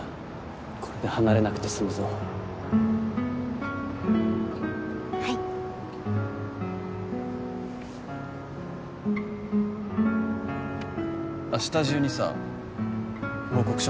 これで離れなくて済むぞはいあしたじゅうにさ報告書